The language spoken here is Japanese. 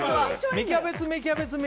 芽キャベツ、芽キャベツ芽